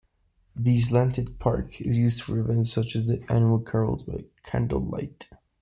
The slanted park is used for events such as the annual Carols By Candlelight.